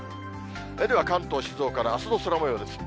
では関東、静岡のあすの空もようです。